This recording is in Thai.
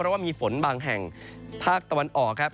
เพราะว่ามีฝนบางแห่งภาคตะวันออกครับ